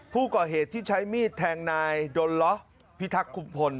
ผู้ก่อเหตุที่ใช้มีดแทงนายดนล้อพิทักษ์คุมพล